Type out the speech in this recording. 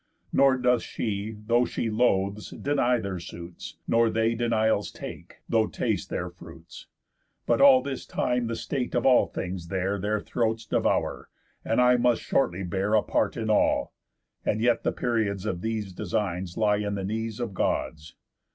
Nor doth she, though she loaths, deny their suits, Nor they denials take, though taste their fruits. But all this time the state of all things there Their throats devour, and I must shortly bear A part in all. And yet the periods Of these designs lie in the knees of Gods.